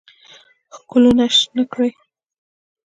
ښکلونه شنه کړي